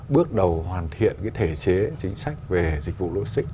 bước đầu hoàn thiện thể chế chính sách về dịch vụ logistics